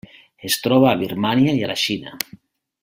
Es troba a Birmània i la Xina.